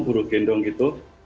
buruh gendong itu